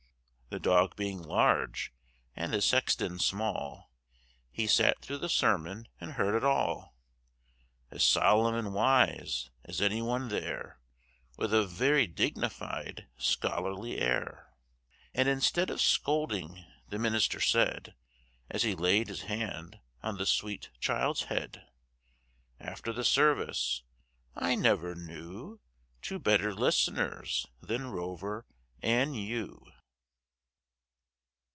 The dog being large (and the sexton small), He sat through the sermon, and heard it all, As solemn and wise as any one there, With a very dignified, scholarly air! And instead of scolding, the minister said, As he laid his hand on the sweet child's head, After the service, "I never knew Two better list'ners than Rover and you!"